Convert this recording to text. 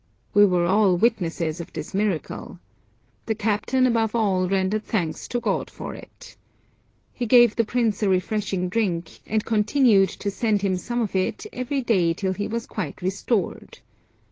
We were all witnesses of this miracle. The captain above all rendered thanks to God for it. He gave the prince a refreshing drink, and continued to send him some of it every day till he was quite restored.